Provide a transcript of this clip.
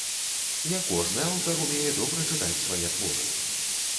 Не кожны аўтар умее добра чытаць свае творы.